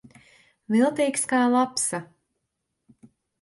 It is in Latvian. Viltīgs kā lapsa.